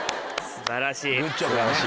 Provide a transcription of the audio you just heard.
素晴らしい。